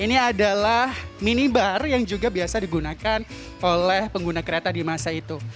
ini adalah mini bar yang juga biasa digunakan oleh pengguna kereta di masa itu